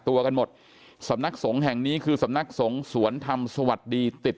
ตัวกันหมดสำนักสงฆ์แห่งนี้คือสำนักสงฆ์สวนธรรมสวัสดีติด